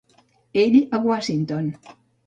Ell a Washington.